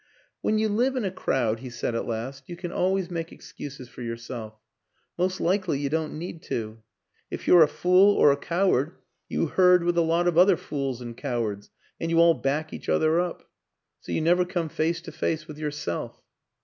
" When you live in a crowd," he said at last, "you can always make excuses for yourself. Most likely you don't need to. If you're a fool or a coward you herd with a lot of other fools and cowards, and you all back each other up. So you never come face to face with yourself."